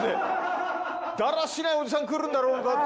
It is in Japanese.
だらしないおじさんが来るんだろうなと。